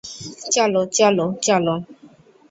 চলো, চলো, চলো।